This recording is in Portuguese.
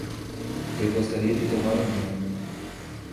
Eu gostaria de tomar um banho.